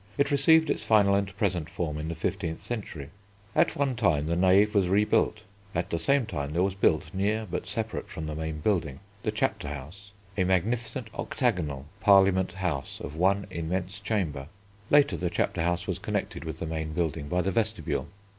It received its final and present form in the fifteenth century. At one time the Nave was rebuilt: at the same time there was built, near but separate from the main building, the Chapter House, a magnificent octagonal parliament house of one immense chamber: later the Chapter House was connected with the main building by the Vestibule.